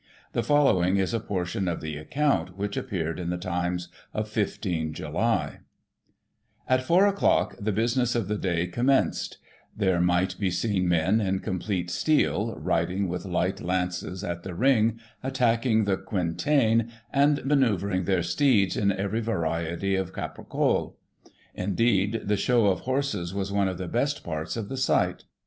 The following is a portion of the account which appeared in the Times of 1 5 July :" At 4 o'clock the business of the day commenced There might be seen men in complete steel, riding with Ught lances at the ring, attacking the * quintain,* and manceuvering their steeds in every variety of capricole. Indeed, the show of horses was one of the best parts of the sight.